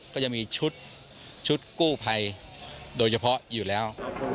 ก็ยังมีชุดกู้ภัยโดยเฉพาะอยู่แล้ว